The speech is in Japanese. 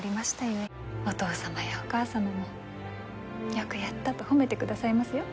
ゆえお父様やお母様もよくやったと褒めてくださいますよ